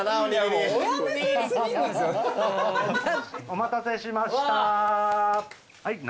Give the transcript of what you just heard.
お待たせしました。